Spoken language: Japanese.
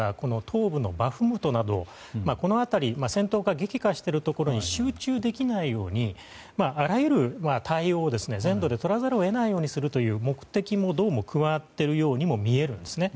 激化しているところに集中できないようにあらゆる対応を全土でとらざるを得ないようにするという目的も、加わっているようにみえるんですね。